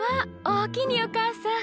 おおきにおかあさん。